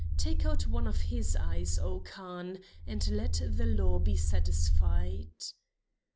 Take out one of his eyes, oh Khan, and let the law be satisfied."